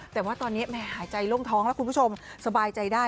แต่ว่าตอนนี้แม่หายใจล่มท้องแล้วคุณผู้ชมสบายใจได้